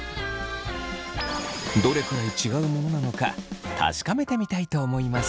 どれくらい違うものなのか確かめてみたいと思います。